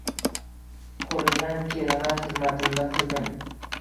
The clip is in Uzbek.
Qo‘limdan kelg‘an xizmatimdi qildim